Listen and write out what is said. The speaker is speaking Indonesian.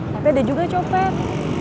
tapi ada juga copet